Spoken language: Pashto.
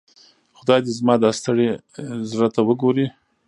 خدای دي زما دا ستړي زړۀ ته وګوري.